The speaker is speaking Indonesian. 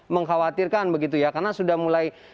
mengkhawatirkan begitu ya karena sudah mulai